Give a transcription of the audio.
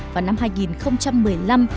vào năm hai nghìn một mươi năm